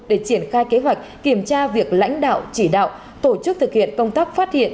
để triển khai kế hoạch kiểm tra việc lãnh đạo chỉ đạo tổ chức thực hiện công tác phát hiện